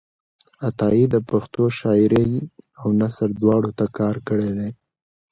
عطایي د پښتو شاعرۍ او نثر دواړو ته کار کړی دی.